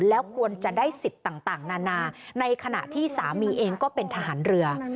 แล้วควรจะได้สิทธิ์ต่างนานาในขณะที่สามีเองก็เป็นทหารเรือ